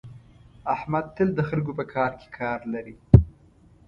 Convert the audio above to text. احمد تل د خلکو په کار کې کار لري.